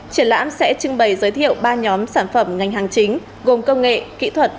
triển lãm sẽ trưng bày giới thiệu ba nhóm sản phẩm ngành hàng chính gồm công nghệ kỹ thuật